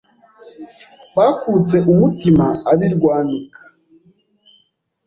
Bakutse umutima ab'i Rwanika